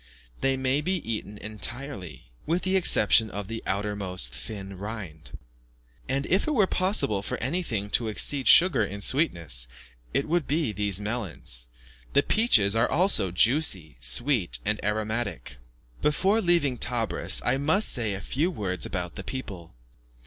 They may be eaten entirely, with the exception of the outermost thin rind; and, if it were possible for anything to exceed sugar in sweetness, it would be these melons. The peaches are also juicy, sweet, and aromatic. Before leaving Tebris, I must say a few words about the people.